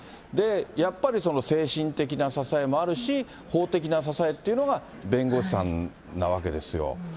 やっぱり精神的な支えもあるし、法的な支えっていうのが弁護士さんなわけですよ。